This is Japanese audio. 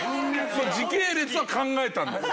時系列は考えたんだよ。